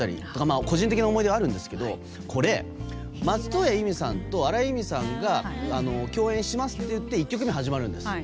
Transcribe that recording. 個人的な思い出はあるんですが松任谷由実さんと荒井由実さんが共演しますといって１曲目が始まるんです。